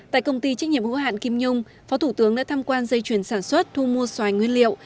tại công ty trách nhiệm hữu hạn kim nhung phó thủ tướng đã tham quan dây chuyển sản xuất thu mua xoài nguyên liệu